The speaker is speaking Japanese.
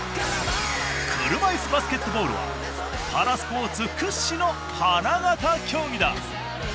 車いすバスケットボールはパラスポーツ屈指の花形競技だ。